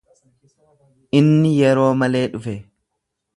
Inni yeroo malee dhufe.